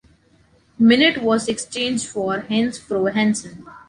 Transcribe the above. Minute was exchanged for Hans Fróði Hansen.